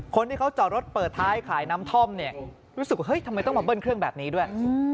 คนที่เขาจอดรถเปิดท้ายขายน้ำท่อมเนี่ยรู้สึกว่าเฮ้ยทำไมต้องมาเบิ้ลเครื่องแบบนี้ด้วย